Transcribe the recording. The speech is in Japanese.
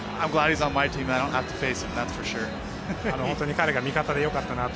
本当に彼が味方で良かったなと。